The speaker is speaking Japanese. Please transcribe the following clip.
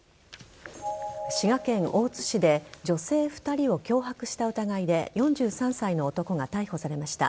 滋賀県大津市で女性２人を脅迫した疑いで４３歳の男が逮捕されました。